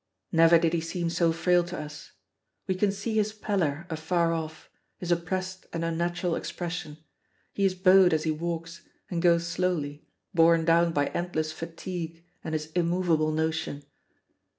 Never did he seem so frail to us. We can see his pallor afar off, his oppressed and unnatural expression; he is bowed as he walks, and goes slowly, borne down by endless fatigue and his immovable notion.